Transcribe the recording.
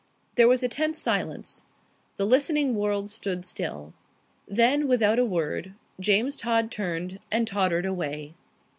There was a tense silence. The listening world stood still. Then, without a word, James Todd turned and tottered away.